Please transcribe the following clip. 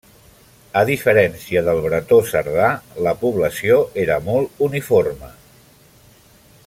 A diferència del bretó cerdà, la població era molt uniforme.